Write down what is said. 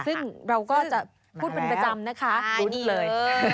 ซึ่งเราก็จะพูดเป็นประจำนะคะดูนี่เลย